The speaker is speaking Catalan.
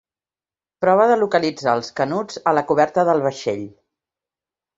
Prova de localitzar els Canuts a la coberta del vaixell.